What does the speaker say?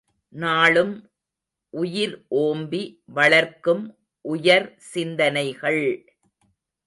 நாளும் உயிர் ஓம்பி வளர்க்கும் உயர் சிந்தனைகள்!